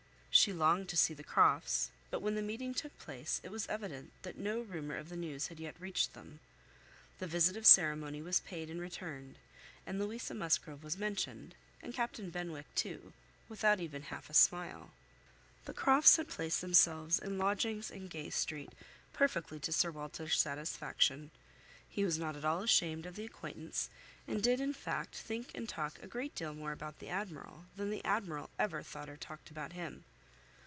She longed to see the Crofts; but when the meeting took place, it was evident that no rumour of the news had yet reached them. The visit of ceremony was paid and returned; and Louisa Musgrove was mentioned, and Captain Benwick, too, without even half a smile. The Crofts had placed themselves in lodgings in Gay Street, perfectly to Sir Walter's satisfaction. He was not at all ashamed of the acquaintance, and did, in fact, think and talk a great deal more about the Admiral, than the Admiral ever thought or talked about him.